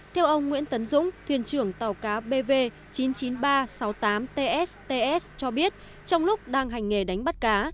theo ông nguyễn tấn dũng thuyền trưởng tàu cá bv chín mươi chín nghìn ba trăm sáu mươi tám tst cho biết trong lúc đang hành nghề đánh bắt cá